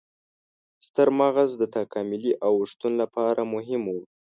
ستر مغز د تکاملي اوښتون لپاره مهم و.